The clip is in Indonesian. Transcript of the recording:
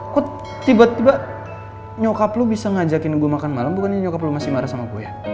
aku tiba tiba nyokap lu bisa ngajakin gue makan malam bukannya nyokap lo masih marah sama gue